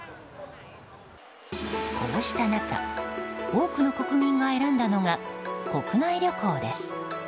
こうした中多くの国民が選んだのが国内旅行です。